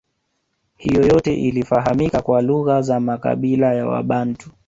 Hiyo yote ilifahamika kwa lugha za makabila ya wabantu